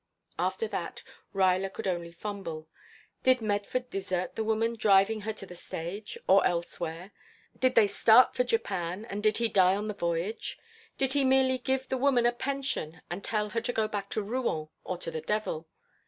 After that Ruyler could only fumble. Did Medford desert the woman, driving her on the stage? or elsewhere? Did they start for Japan, and did he die on the voyage? Did he merely give the woman a pension and tell her to go back to Rouen, or to the devil?